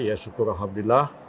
ya syukur alhamdulillah